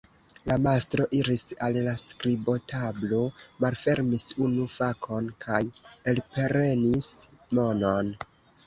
La mastro iris al la skribotablo, malfermis unu fakon kaj elprenis monon.